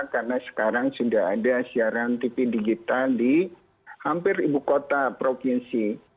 karena sekarang sudah ada siaran tv digital di hampir ibu kota provinsi